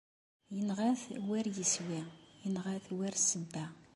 Inɣa-t war-iswi, inɣa-t war-ssebba.